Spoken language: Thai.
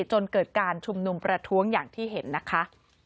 จนเกิดการชุมนุมประท้วงอย่างที่เห็นนะคะ